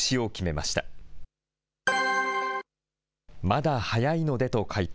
まだ早いのでと回答。